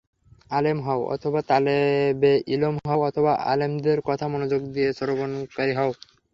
আলেম হও অথবা তালেবে ইলম হও অথবা আলেমদের কথা মনোযোগ দিয়ে শ্রবণকারী হও।